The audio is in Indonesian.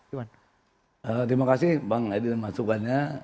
terima kasih bang edwin masukannya